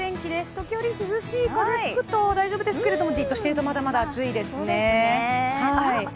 時折涼しい風が吹くと大丈夫ですけれどもじっとしていると、まだまだ暑いですね。